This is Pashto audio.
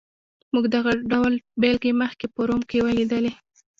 موږ دغه ډول بېلګې مخکې په روم کې ولیدلې.